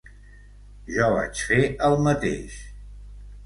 Jo vaig fer el mateix.